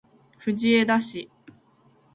藤枝市